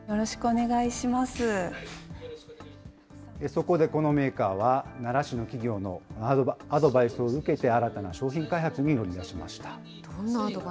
そこでこのメーカーは、奈良市の企業のアドバイスを受けて、新たな商品開発に乗り出しました。